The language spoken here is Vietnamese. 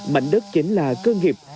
mảnh đất chính là cơ nghiệp